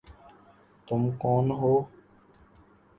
تم کون ہو؟